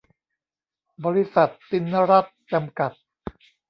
บริษัท ติณรัตน์ จำกัด